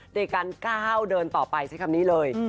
ในการก้าวเดินต่อไปใช้คำนี้เลย